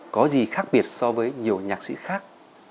có gì khác biệt so với nhiều nhạc sĩ khác